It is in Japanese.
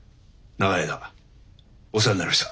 長い間お世話になりました。